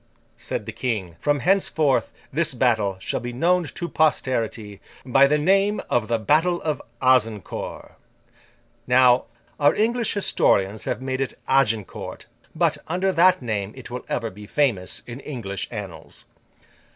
Said the King, 'From henceforth this battle shall be known to posterity, by the name of the battle of Azincourt.' Our English historians have made it Agincourt; but, under that name, it will ever be famous in English annals.